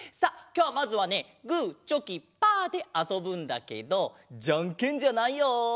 きょうまずはねグーチョキパーであそぶんだけどじゃんけんじゃないよ。